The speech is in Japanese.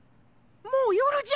もうよるじゃ！